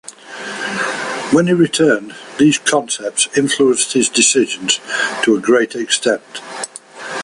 When he returned, these concepts influenced his decisions to a great extent.